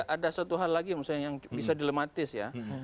ada satu hal lagi misalnya yang bisa dilematis ya